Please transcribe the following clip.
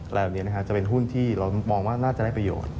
อะไรแบบนี้จะเป็นหุ้นที่เรามองว่าน่าจะได้ประโยชน์